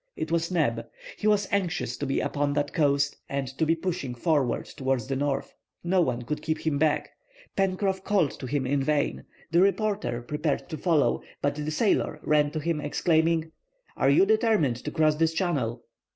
It was Neb. He was anxious to be upon that coast and to be pushing forward towards the north. No one could keep him back. Pencroff called to him in vain. The reporter prepared to follow, but the sailor ran to him, exclaiming:— "Are you determined to cross this channel?"